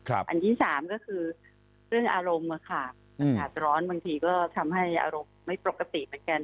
อันที่สามก็คือเรื่องอารมณ์อากาศร้อนบางทีก็ทำให้อารมณ์ไม่ปกติเหมือนกัน